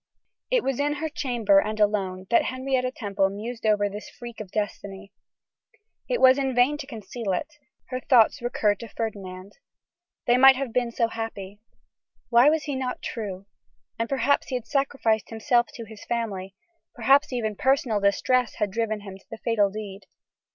It was in her chamber and alone, that Henrietta Temple mused over this freak of destiny. It was in vain to conceal it, her thoughts recurred to Ferdinand. They might have been so happy! Why was he not true? And perhaps he had sacrificed himself to his family, perhaps even personal distress had driven him to the fatal deed.